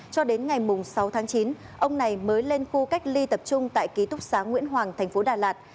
cho đến ngày sáu chín ông này mới lên khu cách ly tập trung tại ký túc xá nguyễn hoàng tp đà lạt